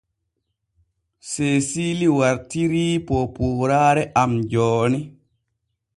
Seesiili wartirii poopooraare am jooni.